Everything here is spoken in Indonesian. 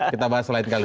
kita bahas lain kali